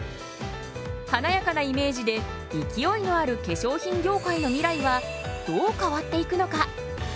はなやかなイメージで勢いのある化粧品業界の未来はどう変わっていくのか？